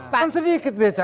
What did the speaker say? kan sedikit bca